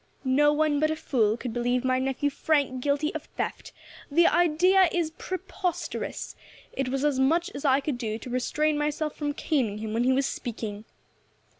No one but a fool could believe my nephew Frank guilty of theft; the idea is preposterous, it was as much as I could do to restrain myself from caning him when he was speaking."